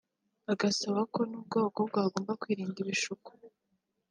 agasaba ko n’ubwo abakobwa bagomba kwirinda ibishuko